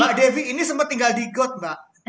mbak devi ini sempat tinggal di got mbak